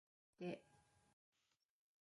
マジで